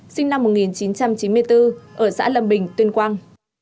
sinh năm một nghìn chín trăm chín mươi bốn ở xã lâm bình tuyên quang